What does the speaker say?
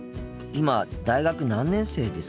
今大学何年生ですか？